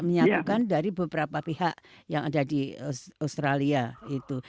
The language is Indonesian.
menyatukan dari beberapa pihak yang ada di australia itu